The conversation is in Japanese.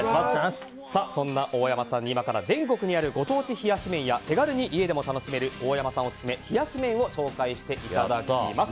そんな大山さんに、今から全国にあるご当地冷やし麺や手軽に家でも楽しめる大山さんオススメ冷やし麺を紹介していただきます。